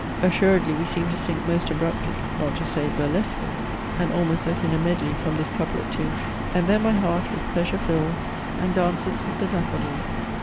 Assuredly we seem to sink most abruptly, not to say burlesquely, and almost as in a medley, from this couplet to "And then my heart with pleasure fills, And dances with the daffodils."